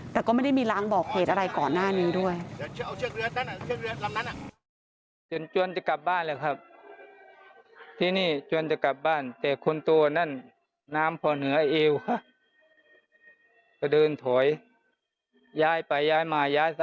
แต่ก็ไม่ได้มีล้างบอกเหตุอะไรก่อนหน้านี้ด้วย